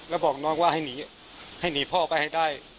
แล้วบอกน้องว่าให้หนีให้หนีพ่อไปให้ได้